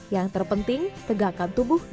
yang terpenting tegakkan tubuh dan jauh